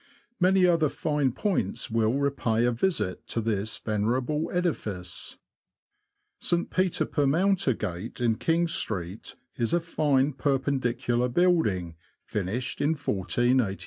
Many other fine points will repay a visit to this venerable edifice. St. Peter per Mountergate, in King Street, is a fine Perpendicular building, finished in i486.